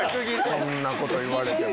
そんなこと言われても。